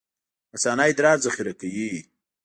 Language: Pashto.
مثانه ادرار ذخیره کوي